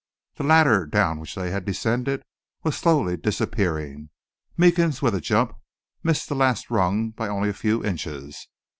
The ladder down which they had descended was slowly disappearing. Meekins, with a jump, missed the last rung by only a few inches.